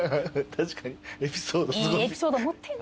確かにエピソードすごい。